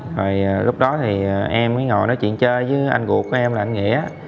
rồi lúc đó thì em mới ngồi nói chuyện chơi với anh duột của em là anh nghĩa